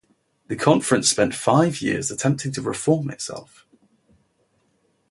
The conference spent five years attempting to reform itself.